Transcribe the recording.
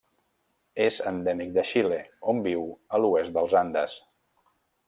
És endèmic de Xile, on viu a l'oest dels Andes.